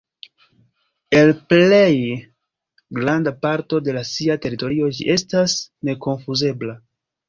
En plej granda parto de sia teritorio ĝi estas nekonfuzebla.